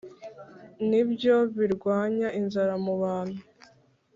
ni byo birwanya inzara mu bantu